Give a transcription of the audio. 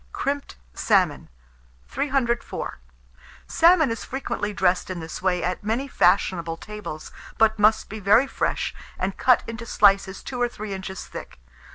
CRIMPED SALMON. 304. Salmon is frequently dressed in this way at many fashionable tables, but must be very fresh, and cut into slices 2 or 3 inches thick.